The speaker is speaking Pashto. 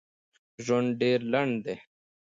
ژوند ډېر لنډ ده